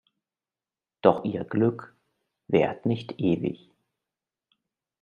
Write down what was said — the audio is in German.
Doch ihr Glück währt nicht ewig.